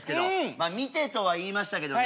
まあ見てとは言いましたけどね